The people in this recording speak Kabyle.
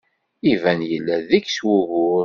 Iban yella deg-s wugur.